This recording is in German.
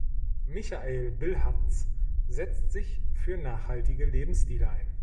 Michael Bilharz setzt sich für nachhaltige Lebensstile ein.